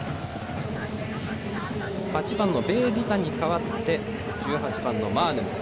８番のベーリザに代わって１８番のマーヌム。